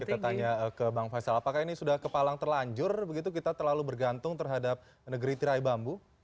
kita tanya ke bang faisal apakah ini sudah kepalang terlanjur begitu kita terlalu bergantung terhadap negeri tirai bambu